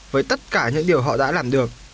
với tất cả những điều họ đã làm được